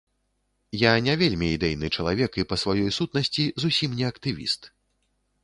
Я не вельмі ідэйны чалавек і па сваёй сутнасці зусім не актывіст.